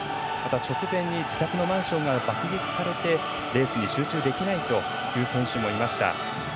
また、直前に自宅のマンションが爆撃されてレースに集中できないという選手もいました。